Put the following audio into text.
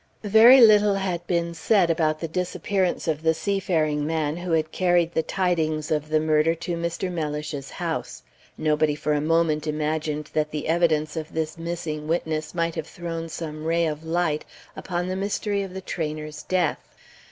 Very little had been said about the disappearance of the seafaring man who had carried the tidings of the murder to Mr. Mellish's house. Nobody for a moment imagined that the evidence of this missing witness might have thrown some ray of light upon the mystery of the trainer's death.